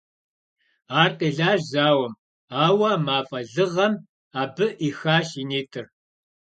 Ар къелащ зауэм, ауэ а мафӀэ лыгъэм абы Ӏихащ и нитӀыр.